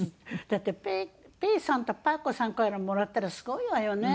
だってペーさんとパー子さんからもらったらすごいわよね。